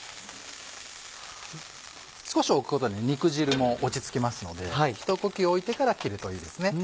少し置くことで肉汁も落ち着きますのでひと呼吸置いてから切るといいですね。